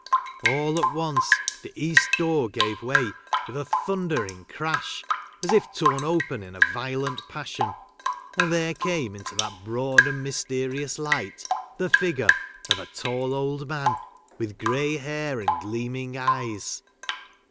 All at once, the east door gave way with a thundering crash, as if torn open in a violent passion, and there came into that broad and mysterious light, the figure of a tall old man, with grey hair and gleaming eyes.